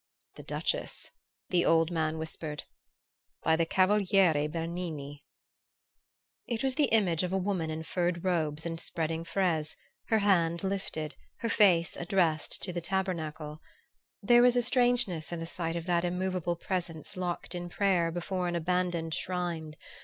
"The Duchess," the old man whispered. "By the Cavaliere Bernini." It was the image of a woman in furred robes and spreading fraise, her hand lifted, her face addressed to the tabernacle. There was a strangeness in the sight of that immovable presence locked in prayer before an abandoned shrine.